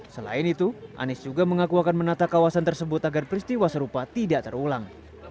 selain itu anies juga mengaku akan menata kawasan tersebut agar peristiwa serupa tidak terulang